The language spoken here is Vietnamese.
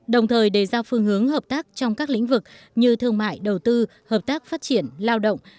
đồng thời đề ra phương hướng hợp tác trong các lĩnh vực như thương mại đầu tư hợp tác phát triển lao động